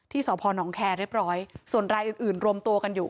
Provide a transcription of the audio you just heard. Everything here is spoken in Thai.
สพนแคร์เรียบร้อยส่วนรายอื่นอื่นรวมตัวกันอยู่